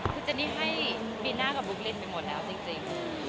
คือจะได้ให้มีหน้ากับบุ๊คลินท์ไปหมดแล้วจริง